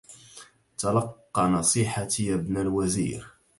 تلق نصيحتي يا ابن الوزير